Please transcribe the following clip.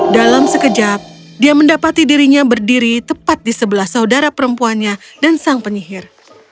dalam sekejap dia mendapati dirinya berdiri tepat di sebelah saudara perempuannya dan sang penyihir